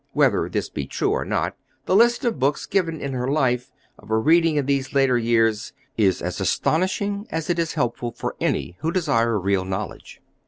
Whether this be true or not, the list of books given in her life, of her reading in these later years, is as astonishing as it is helpful for any who desire real knowledge.